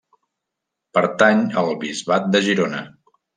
Pertany al Bisbat de Girona.